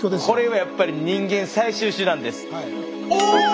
これはやっぱり人間最終手段です。